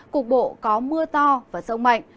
cục bộ có mưa to và rông mạnh